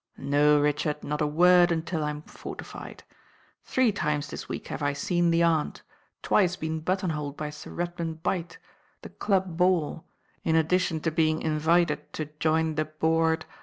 "No, Richard, not a word until I am fortified. Three times this week have I seen the aunt, twice been buttonholed by Sir Redman Bight, the club LONDON AND LORD DBEWITT 8819 bore, in addition to bein ; invited to join the Bo, rd